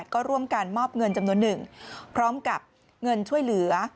ก็ร่วมกันมอบเงินจำนวนหนึ่งพร้อมกับเงินช่วยเหลือ